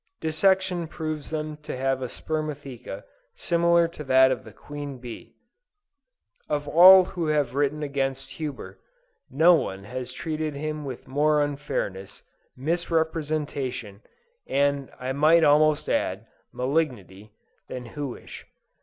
Dissection proves them to have a spermatheca, similar to that of the Queen Bee. Of all who have written against Huber, no one has treated him with more unfairness, misrepresentation, and I might almost add, malignity, than Huish.